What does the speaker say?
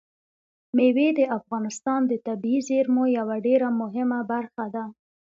مېوې د افغانستان د طبیعي زیرمو یوه ډېره مهمه برخه ده.